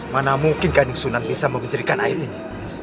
mana mungkin kandung sunan bisa menjernihkan air ini